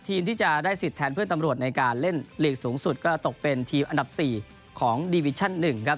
ที่จะได้สิทธิ์แทนเพื่อนตำรวจในการเล่นลีกสูงสุดก็ตกเป็นทีมอันดับ๔ของดีวิชั่น๑ครับ